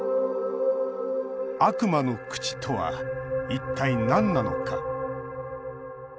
悪魔の口とは一体なんなのか。